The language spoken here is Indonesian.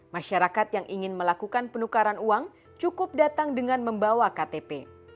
masyarakat yang ingin melakukan penukaran uang cukup datang dengan membawa ktp